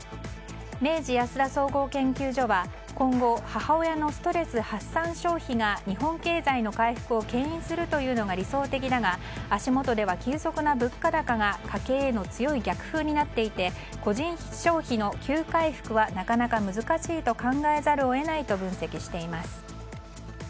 明治安田総合研究所は今後、母親のストレス発散消費が日本経済の回復を牽引するというのが理想的だが足元では急速な物価高が家計への強い逆風になっていて個人消費の急回復はなかなか難しいと考えざるを得ないと分析しています。